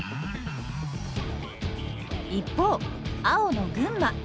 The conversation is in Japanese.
一方青の群馬。